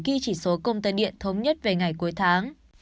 ghi chỉ số công tơ điện thống nhất về ngày cuối tháng